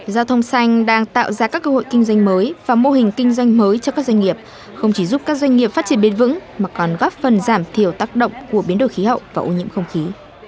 giao thông xanh đang tạo ra các cơ hội kinh doanh mới và mô hình kinh doanh mới cho các doanh nghiệp không chỉ giúp các doanh nghiệp phát triển bền vững mà còn góp phần giảm thiểu tác động của biến đổi khí hậu và ô nhiễm không khí